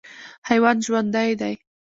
حیوان ژوندی دی.